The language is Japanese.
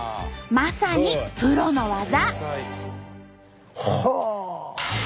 まさにプロの技！